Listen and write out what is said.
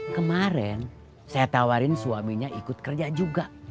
kemarin saya tawarin suaminya ikut kerja juga